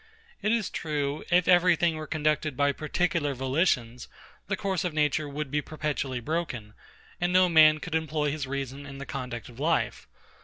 It is true, if everything were conducted by particular volitions, the course of nature would be perpetually broken, and no man could employ his reason in the conduct of life.